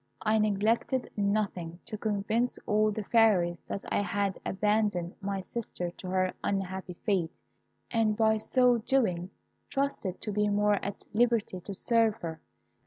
I neglected nothing to convince all the Fairies that I had abandoned my sister to her unhappy fate, and, by so doing, trusted to be more at liberty to serve her.